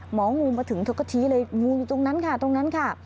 หมองูมาถึงเธอก็ชี้เลยงูอยู่ตรงนั้นค่ะ